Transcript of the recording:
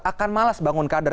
akan malas bangun kader